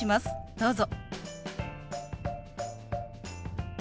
どうぞ。